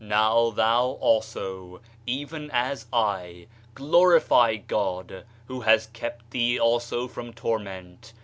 "Now thou also, even as I, glorify God, who has kept thee also from torment!